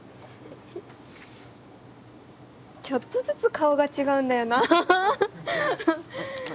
ちょっとずつ顔が違うんだよなあ。